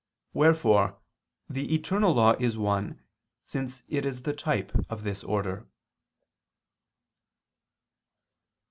Wherefore the eternal law is one since it is the type of this order.